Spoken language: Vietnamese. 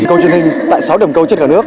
câu chuyện này tại sáu đầm câu chất gọi là